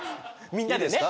みんなでね。